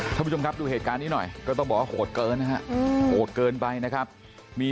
ท่านผู้ชมครับดูเหตุการณ์นี้หน่อยก็ต้องบอกว่าโหดเกินนะฮะโหดเกินไปนะครับมี